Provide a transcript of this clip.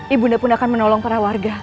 ibu nda pun akan menolong para warga